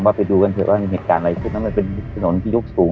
ไปดูกันเถอะว่าเหตุการณ์อะไรขึ้นนั้นมันเป็นถนนที่ยกสูง